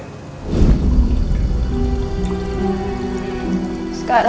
ketika mereka berpisah